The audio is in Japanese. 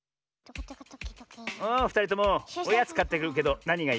おふたりともおやつかってくるけどなにがいい？